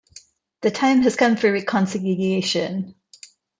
The time has come for reconciliation!